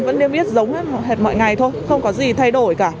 không biết giống hết mọi ngày thôi không có gì thay đổi cả